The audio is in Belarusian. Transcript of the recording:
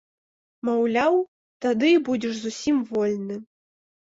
Маўляў, тады і будзеш зусім вольны.